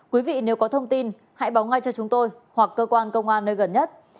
quý vị nếu có thông tin hãy báo ngay cho chúng tôi hoặc cơ quan công an nơi gần nhất